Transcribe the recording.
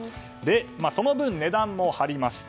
その分、値段も張ります。